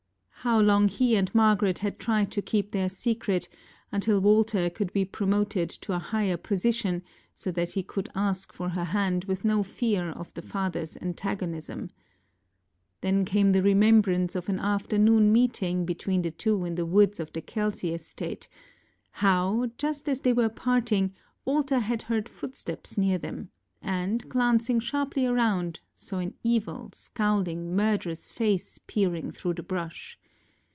How long he and Margaret had tried to keep their secret, until Walter could be promoted to a higher position, so that he could ask for her hand with no fear of the fatherŌĆÖs antagonism! Then came the remembrance of an afternoon meeting between the two in the woods of the Kelsey estate how, just as they were parting, Walter had heard footsteps near them, and, glancing sharply around, saw an evil, scowling, murderous face peering through the brush.